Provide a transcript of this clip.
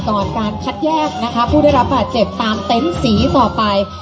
ก่อนการคัดแยกนะคะผู้ได้รับบาดเจ็บตามเต็นต์สีต่อไป